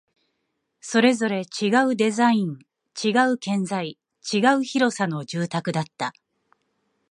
それぞれ違うデザイン、違う建材、違う広さの住宅だった